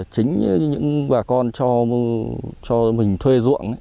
chính những bà con cho mình thuê ruộng